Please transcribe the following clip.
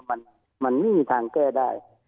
มันไม่มีทางแก้ได้